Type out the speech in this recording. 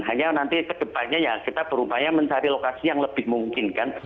hanya nanti kedepannya ya kita berupaya mencari lokasi yang lebih mungkin kan